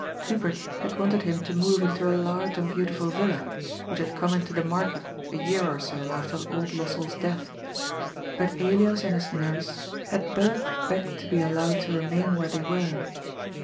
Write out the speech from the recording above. Hubert had wanted him to move into a large and beautiful villa, which had come into the market a year or so after old Lossell's death. But Elias and his nurse had both begged to be allowed to remain where they were.